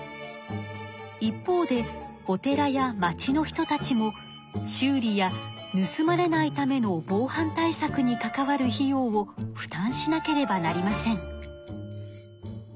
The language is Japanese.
一方でお寺や町の人たちも修理やぬすまれないための防犯対策に関わる費用を負担しなければなりません。